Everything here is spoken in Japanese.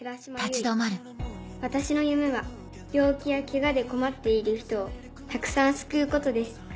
私の夢は病気やケガで困っている人をたくさん救うことです。